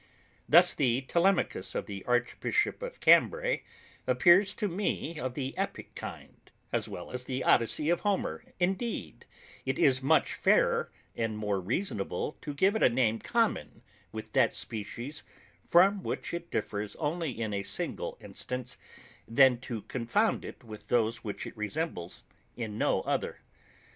Thus the Telemachus of the archbishop of Cambray appears to me of the epic kind, as well as the Odyssey of Homer, indeed, it is much fairer and more reasonable to give it a name common with that species from which it differs only in a single instance, than to confound it with those which it resembles in no other.